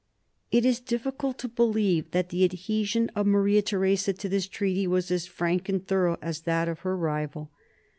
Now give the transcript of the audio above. It is difficult to believe that the adhesion of Maria Theresa to this treaty was as frank and thorough as that of her rival.